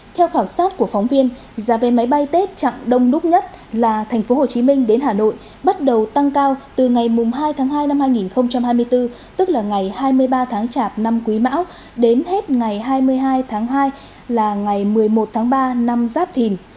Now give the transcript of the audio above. theo khảo sát của phóng viên giá vé máy bay tết chặng đông đúc nhất là tp hcm đến hà nội bắt đầu tăng cao từ ngày hai tháng hai năm hai nghìn hai mươi bốn tức là ngày hai mươi ba tháng chạp năm quý mão đến hết ngày hai mươi hai tháng hai là ngày một mươi một tháng ba năm giáp thìn